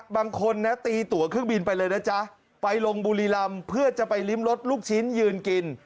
บางคนนะตีตัวเครื่องบินไปเลยนะจ๊ะไปลงบุรีรำเพื่อจะไปริมรสลูกชิ้นยืนกิน